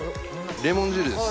レモン汁です。